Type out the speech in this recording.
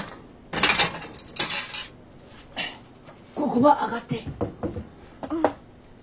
ここば上がって。